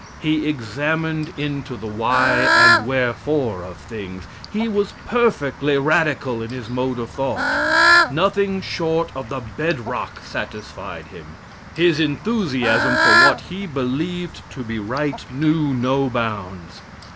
He examined into the why and wherefore of things. He was perfectly radical in his mode of thought. Nothing short of the bed rock satisfied him. His enthusiasm for what he believed to be right knew no bounds.